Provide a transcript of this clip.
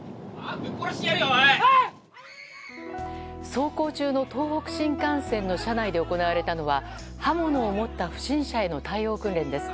走行中の東北新幹線の車内で行われたのは刃物を持った不審者への対応訓練です。